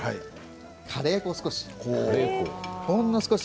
カレー粉を少し。